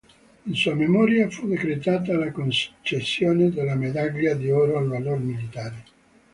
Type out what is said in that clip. In sua memoria fu decretata la concessione della Medaglia d'oro al valor militare.